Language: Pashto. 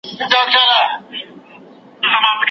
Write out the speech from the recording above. ولې ځايي واردوونکي خوراکي توکي له ایران څخه واردوي؟